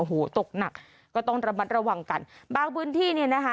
โอ้โหตกหนักก็ต้องระมัดระวังกันบางพื้นที่เนี่ยนะคะ